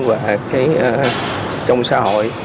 và trong xã hội